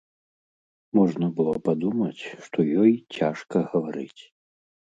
Можна было падумаць, што ёй цяжка гаварыць.